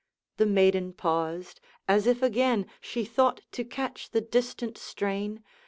The maiden paused, as if again She thought to catch the distant strain.